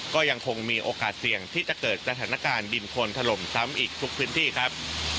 ก็ยังคงมีโอกาสเสี่ยงที่จะเกิดสถานการณ์ดินคนถล่มซ้ำอีกทุกพื้นที่ครับ